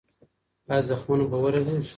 ایا زخمونه به ورغېږي؟